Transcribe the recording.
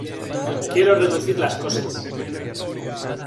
Quiero reducir las cosas".